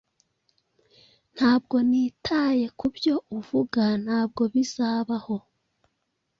Ntabwo nitaye kubyo uvuga. Ntabwo bizabaho!